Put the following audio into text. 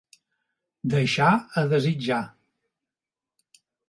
Deixar a desitjar.